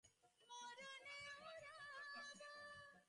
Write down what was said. রাতবিরাতে বাথরুমে যেতে হলে হাতে জ্বলন্ত আগুন নিয়ে যেতে হয়।